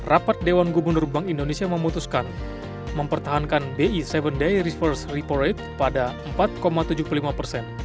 rapat dewan gubernur bank indonesia memutuskan mempertahankan bi tujuh day reverse repo rate pada empat tujuh puluh lima persen